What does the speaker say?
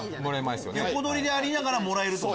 横取りでありながらもらえる。